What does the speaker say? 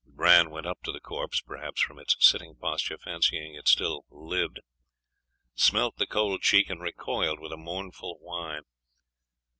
Bran went up to the corpse perhaps from its sitting posture fancying it still living smelt the cold cheek, and recoiled with a mournful whine.